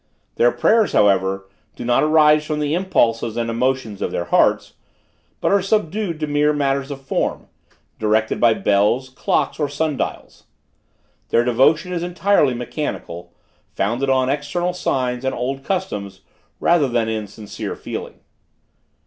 Their prayers, however, do not arise from the impulses and emotions of their hearts; but are subdued to mere matters of form, directed by bells, clocks or sun dials. Their devotion is entirely mechanical, founded on external signs and old customs rather than in sincere feeling.